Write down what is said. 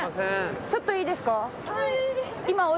ちょっといいですか？